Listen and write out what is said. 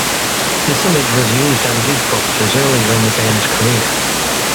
This image was used on gig posters early in the band's career.